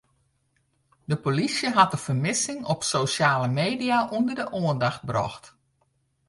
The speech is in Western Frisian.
De polysje hat de fermissing op sosjale media ûnder de oandacht brocht.